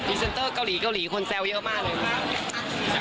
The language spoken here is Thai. ดีเซ็นเตอร์เกาหลีคนแซวเยอะมากเลยครับ